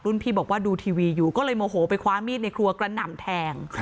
พี่บอกว่าดูทีวีอยู่ก็เลยโมโหไปคว้ามีดในครัวกระหน่ำแทง